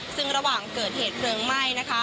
ซึ่งระหว่างเกิดเหตุเพลิงไหม้นะคะ